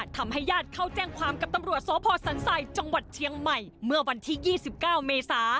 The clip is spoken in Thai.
ทำให้ญาติเข้าแจ้งความกับตำรวจสพสันไสจังหวัดเชียงใหม่เมื่อวันที่๒๙เมษา